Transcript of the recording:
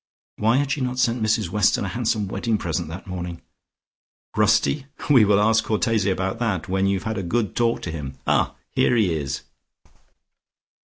Why had she not sent Mrs Weston a handsome wedding present that morning? "Rusty? We will ask Cortese about that when you've had a good talk to him. Ah, here he is!"